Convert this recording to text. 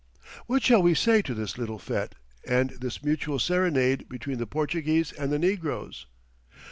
What shall we say to this little fête and this mutual serenade between the Portuguese and the negroes?